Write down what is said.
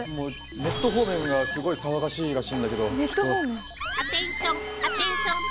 ネット方面がすごい騒がしいらしいんだけど。